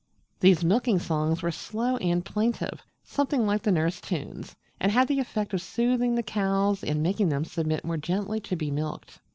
These Milking songs were slow and plaintive, something like the nurse tunes, and had the effect of soothing the cows and of making them submit more gently to be milked.